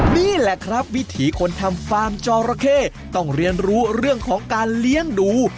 นี่แหละครับวิถีคนทำฟาร์มจอระเข้ต้องเรียนรู้เรื่องของการเลี้ยงดู